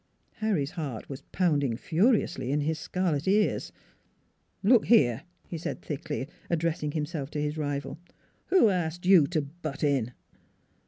Harry's heart was pounding furiously in his scarlet ears. " Look here !" he said thickly, addressing him self to his rival, " who asked you to butt in?